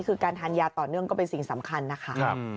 คือการทานยาต่อเนื่องก็เป็นสิ่งสำคัญนะคะ